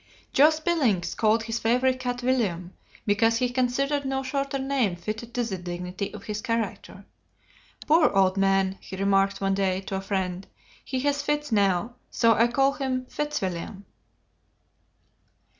Josh Billings called his favorite cat William, because he considered no shorter name fitted to the dignity of his character. "Poor old man," he remarked one day, to a friend, "he has fits now, so I call him Fitz William."